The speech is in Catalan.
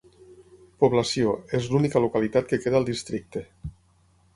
Població: és l'única localitat que queda al districte.